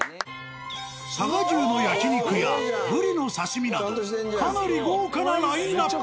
佐賀牛の焼き肉やブリの刺身などかなり豪華なラインアップ。